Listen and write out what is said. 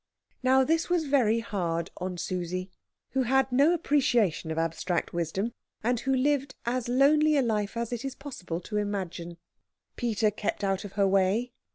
Now this was very hard on Susie, who had no appreciation of abstract wisdom, and who lived as lonely a life as it is possible to imagine. Peter kept out of her way.